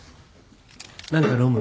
何か飲む？